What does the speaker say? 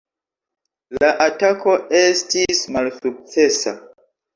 La atako estis malsukcesa.